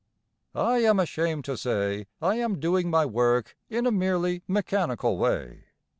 I am ashamed to say I am doing my work in a merely mechanical way.